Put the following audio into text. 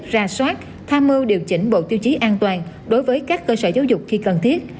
ra soát tham mưu điều chỉnh bộ tiêu chí an toàn đối với các cơ sở giáo dục khi cần thiết